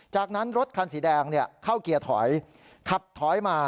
จากนั้นรถคันสีแดงเข้าเกียร์ถอยขับถอยมา